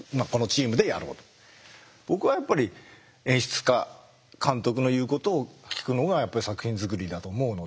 僕はやっぱり演出家監督の言うことを聞くのが作品作りだと思うので。